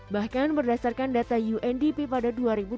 bahkan berdasarkan data undp pada dua ribu dua puluh